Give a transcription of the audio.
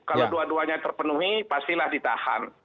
kalau dua duanya terpenuhi pastilah ditahan